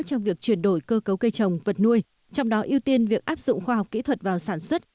trong việc chuyển đổi cơ cấu cây trồng vật nuôi trong đó ưu tiên việc áp dụng khoa học kỹ thuật vào sản xuất